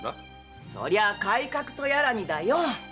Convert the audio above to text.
そりゃ「改革」とやらにだよ！